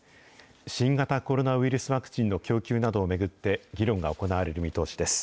新型コロナウイルスワクチンの供給などを巡って、議論が行われる見通しです。